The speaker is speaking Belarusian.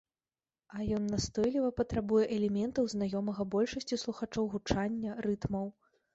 А ён настойліва патрабуе элементаў знаёмага большасці слухачоў гучання, рытмаў.